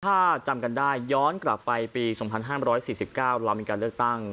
ถ้าจำกันได้ย้อนกลับไปปี๒๕๔๙เรามีการเลือกตั้ง